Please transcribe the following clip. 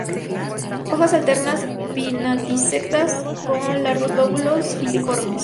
Hojas alternas, pinnatisectas con largos lóbulos filiformes.